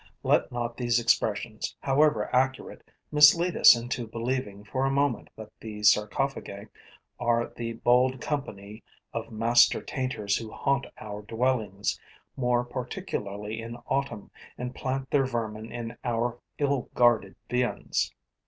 Let not these expressions, however accurate, mislead us into believing for a moment that the Sarcophagae are the bold company of master tainters who haunt our dwellings, more particularly in autumn, and plant their vermin in our ill guarded viands.